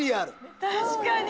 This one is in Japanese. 確かに！